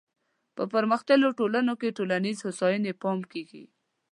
په پرمختللو ټولنو کې ټولنیزې هوساینې پام کیږي.